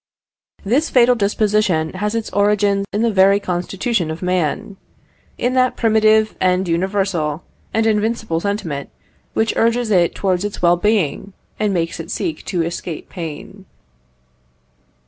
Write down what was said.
This fatal disposition has its origin in the very constitution of man in that primitive, and universal, and invincible sentiment which urges it towards its well being, and makes it seek to escape pain.